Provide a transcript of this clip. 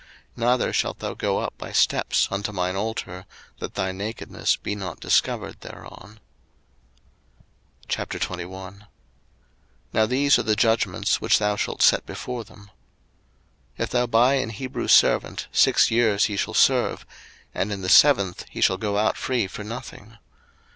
02:020:026 Neither shalt thou go up by steps unto mine altar, that thy nakedness be not discovered thereon. 02:021:001 Now these are the judgments which thou shalt set before them. 02:021:002 If thou buy an Hebrew servant, six years he shall serve: and in the seventh he shall go out free for nothing.